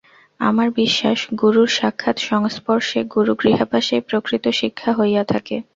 আমার বিশ্বাস, গুরুর সাক্ষাৎ সংস্পর্শে গুরুগৃহবাসেই প্রকৃত শিক্ষা হইয়া থাকে।